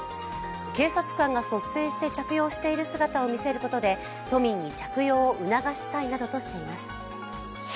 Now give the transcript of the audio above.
警察官が率先して着用した姿を見せることで都民に着用を促したいなどとしています。